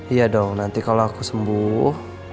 iya dong nanti kalau aku sembuh